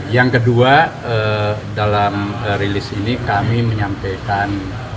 yang kedua dalam rilis ini kami menyampaikan